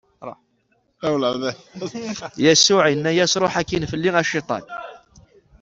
Yasuɛ inna-as: Ṛuḥ akkin fell-i, a Cciṭan!